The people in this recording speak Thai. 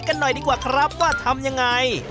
กันหน่อยดีกว่าครับว่าทำยังไง